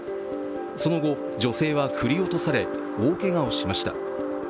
その後、女性は振り落とされ、大けがをしました。